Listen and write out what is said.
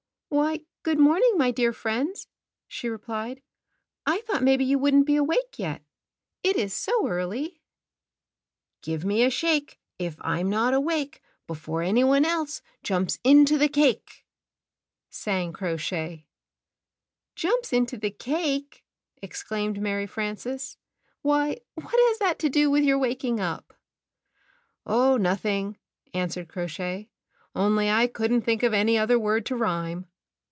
„, "Why, good morning, my dear friends," she ^(^ replied. "I thought maybe you wouldn't be awake morMg^J yet. It is so early." Qood unormg^c" 170 Knitting and Crocheting Book " Give me a shake If I'm not awake Before anyone else Jumps into the cake/' sang Crow Shay. ''Jumps into the cake!" exclaimed Mary Frances. "Why, what has that to do with your waking up?" "Oh, nothing," answered Crow Shay, "only I couldn't think of any other word to rhyme.".